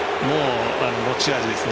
持ち味ですね。